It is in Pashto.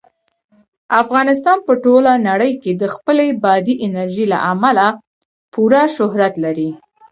افغانستان په ټوله نړۍ کې د خپلې بادي انرژي له امله پوره شهرت لري.